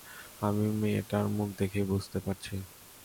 আমি মেয়েটার মুখ দেখেই বুঝতে পারছি।